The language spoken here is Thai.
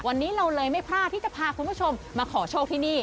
วันนี้เราเลยไม่พลาดที่จะพาคุณผู้ชมมาขอโชคที่นี่